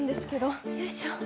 よいしょ。